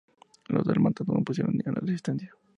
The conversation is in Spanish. Los dálmatas no opusieron ninguna resistencia.